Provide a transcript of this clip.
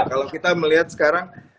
kalau kita melihat sekarang